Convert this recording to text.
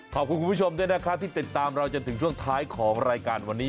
ขอบคุณคุณผู้ชมด้วยนะครับที่ติดตามเราจนถึงช่วงท้ายของรายการวันนี้